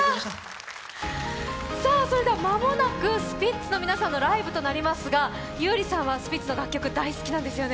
それでは間もなくスピッツの皆さんのライブとなりますが、優里さんはスピッツの楽曲大好きなんですよね。